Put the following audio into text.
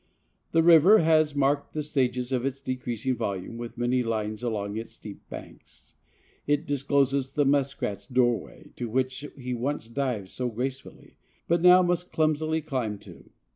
The river has marked the stages of its decreasing volume with many lines along its steep banks. It discloses the muskrat's doorway, to which he once dived so gracefully, but now must clumsily climb to.